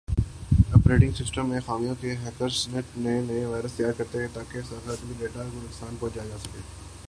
operating system میں خامیوں سے ہیکرز نت نئے وائرس تیار کرتے ہیں تاکہ صارفین کے ڈیٹا کو نقصان پہنچایا جاسکے